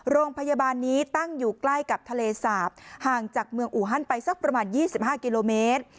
โรงพยาบาลนี้ตั้งอยู่ใกล้กับทะเลสาปห่างจากเมืองอูฮันไปสักประมาณ๒๕กิโลเมตร